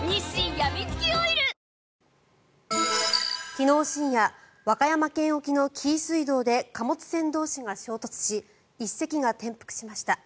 昨日深夜和歌山県沖の紀伊水道で貨物船同士が衝突し１隻が転覆しました。